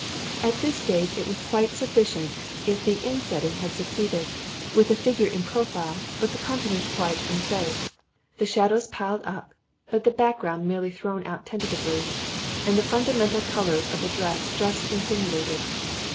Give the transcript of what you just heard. At this stage it was quite sufficient if the insetting had succeeded, with the figure in profile, but the countenance quite en face; the shadows piled up, but the background merely thrown out tentatively, and the fundamental colours of the dress just insinuated.